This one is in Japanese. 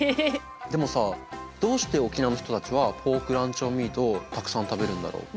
でもさどうして沖縄の人たちはポークランチョンミートをたくさん食べるんだろう？